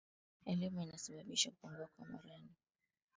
elimu inasababisha kupungua kwa morani wa masai